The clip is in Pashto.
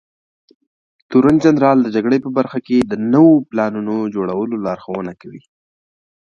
تورنجنرال د جګړې په برخه کې د نويو پلانونو جوړولو لارښونه کوي.